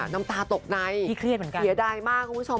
น้ำตาตกในเสียใดมากคุณผู้ชม